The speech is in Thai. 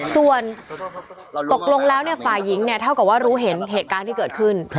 ส่วนตกลงแล้วฝ่ายหญิงเท่ากับว่ารู้เห็นเหตุการณ์ที่เกิดขึ้น